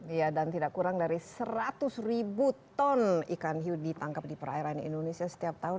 iya dan tidak kurang dari seratus ribu ton ikan hiu ditangkap di perairan indonesia setiap tahun